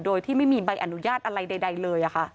โดยที่ไม่มีใบอนุญาตอะไรใดเลย